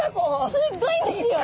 すっごいですよ。